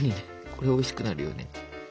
これおいしくなるよね。